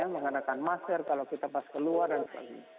mengenakan masker kalau kita pas keluar dan sebagainya